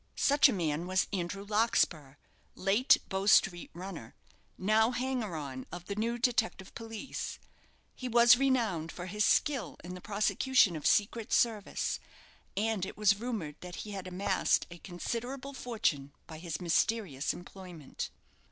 Such a man was Andrew Larkspur, late Bow Street runner, now hanger on of the new detective police. He was renowned for his skill in the prosecution of secret service; and it was rumoured that he had amassed a considerable fortune by his mysterious employment.